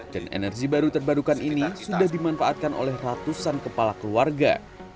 energi baru terbarukan ini sudah dimanfaatkan oleh ratusan kepala keluarga